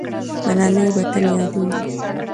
ملالۍ به تل یادېږي.